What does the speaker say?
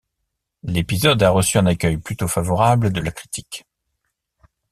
L'épisode a reçu un accueil plutôt favorable de la critique.